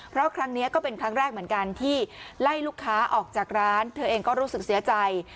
เพราะครั้งนี้ก็เป็นครั้งแรกเหมือนกันที่ไล่ลูกค้าออกจากร้านเธอเองก็รู้สึกเสียใจ